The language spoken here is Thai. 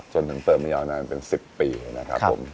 จนถึงเปิดมายาวนานเป็น๑๐ปีนะครับผม